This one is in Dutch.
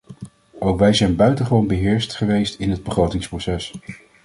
Ook wij zijn buitengewoon beheerst geweest in het begrotingsproces.